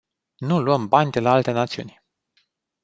Nu luăm bani de la alte națiuni.